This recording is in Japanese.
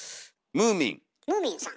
ムーミンさん。